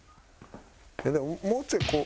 だからもうちょいこう。